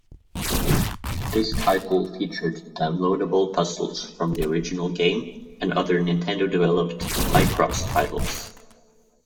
This title featured downloadable puzzles from the original game and other Nintendo-developed "Picross" titles.